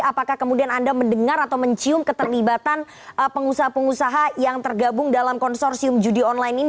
apakah kemudian anda mendengar atau mencium keterlibatan pengusaha pengusaha yang tergabung dalam konsorsium judi online ini